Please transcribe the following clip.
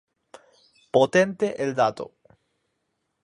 Potente el dato